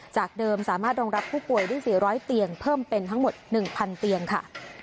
จากเดิมสามารถรองรับผู้ป่วยได้๔๐๐เตียงเพิ่มเป็นทั้งหมด๑๐๐เตียงค่ะ